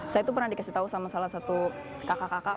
saya tuh pernah dikasih tahu sama salah satu kakak kakak